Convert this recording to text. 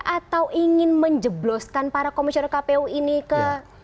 atau ingin menjebloskan para komisioner kpu ini ke